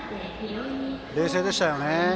冷静でしたよね。